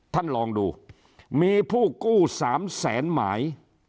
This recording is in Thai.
ท่านลองดูมีผู้กู้๓แสนหมาย